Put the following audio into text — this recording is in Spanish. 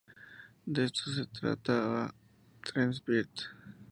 De eso se trataba "Teen Spirit".